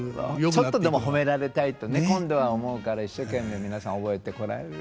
ちょっとでも褒められたいとね今度は思うから一生懸命皆さん覚えてこられる。